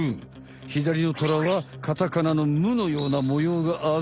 ひだりのトラはカタカナのムのような模様がある。